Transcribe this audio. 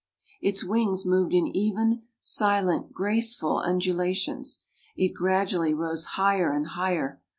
Its wings moved in even, silent, graceful undulations. It gradually rose higher and higher.